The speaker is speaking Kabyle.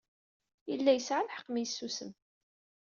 Yella yesɛa lḥeqq mi yessusem.